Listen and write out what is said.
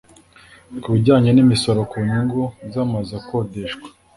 Ku bijyanye n’imisoro ku nyungu z’amazu akodeshwa